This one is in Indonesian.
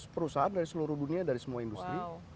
lima ratus perusahaan dari seluruh dunia dari semua industri